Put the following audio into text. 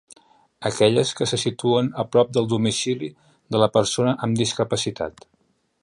Aquelles que se situen a prop del domicili de la persona amb discapacitat.